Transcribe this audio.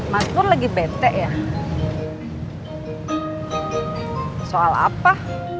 maspur lagi bete ya soal apa